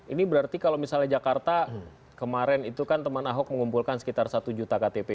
ini berarti kalau misalnya jakarta kemarin itu kan teman ahok mengumpulkan sekitar satu juta ktp